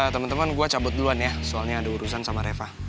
temen temen gua cabut duluan ya soalnya ada urusan sama reva